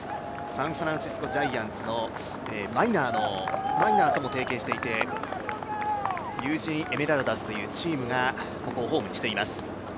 サンフランシスコ・ジャイアンツのマイナーとも提携をしていてユージーンエメラルダーズというチームがここをホームにしています。